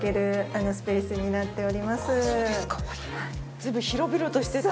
随分広々としてて。